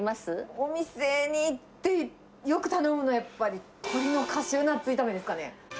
お店に行ってよく頼むのは、やっぱり鶏のカシューナッツ炒めですかね。